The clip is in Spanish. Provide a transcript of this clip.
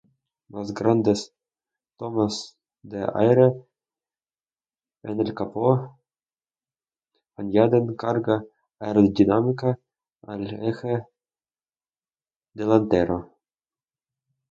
Las grandes tomas de aire en el capó añaden carga aerodinámica al eje delantero.